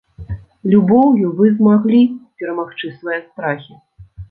Любоўю вы змаглі перамагчы свае страхі.